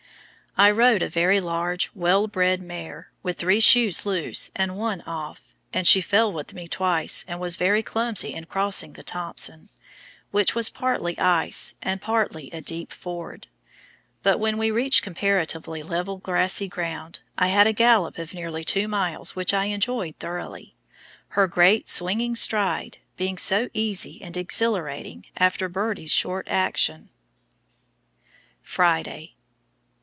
I rode a very large, well bred mare, with three shoes loose and one off, and she fell with me twice and was very clumsy in crossing the Thompson, which was partly ice and partly a deep ford, but when we reached comparatively level grassy ground I had a gallop of nearly two miles which I enjoyed thoroughly, her great swinging stride being so easy and exhilarating after Birdie's short action. Friday.